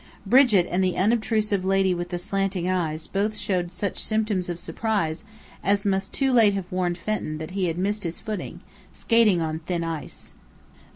Brigit and the unobtrusive lady with the slanting eyes both showed such symptoms of surprise as must too late have warned Fenton that he had missed his footing, skating on thin ice.